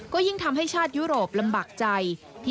ก็ยิ่งทำให้ชาติยุโรปลำบากใจ